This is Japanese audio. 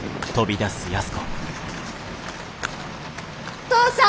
お父さん？